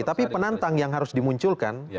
tapi penantang yang harus dimunculkan